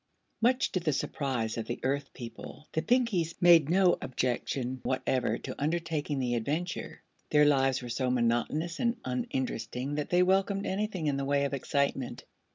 Much to the surprise of the Earth people the Pinkies made no objection whatever to undertaking the adventure. Their lives were so monotonous and uninteresting that they welcomed anything in the way of excitement.